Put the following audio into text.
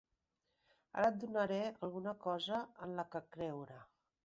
Ara et donaré alguna cosa en la que creure.